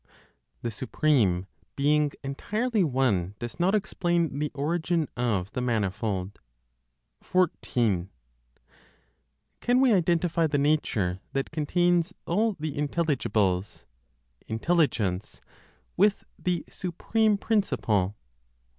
THE SUPREME BEING ENTIRELY ONE DOES NOT EXPLAIN THE ORIGIN OF THE MANIFOLD. 14. Can we identify the nature that contains all the intelligibles (Intelligence) with the supreme Principle?